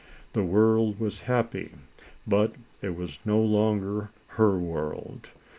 The world was happy, but it was no longer her world.